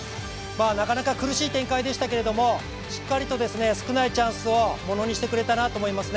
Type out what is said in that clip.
なかなか苦しい展開でしたけどしっかりと少ないチャンスをものにしてくれたなと思います。